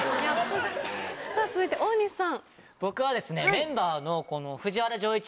さぁ続いて大西さん。